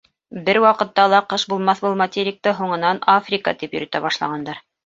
Бер ваҡытта ла ҡыш булмаҫ был материкты һуңынан Африка тип йөрөтә башлағандар.